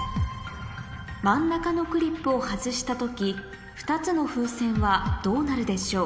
真ん中のクリップを外した時２つの風船はどうなるでしょう